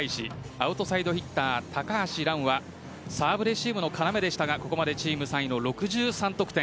アウトサイドヒッター・高橋藍はサーブレシーブの要でしたがここまでチーム３位の６３得点。